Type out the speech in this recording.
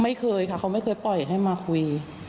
ไม่เคยค่ะเขาไม่เคยปล่อยให้มาคุย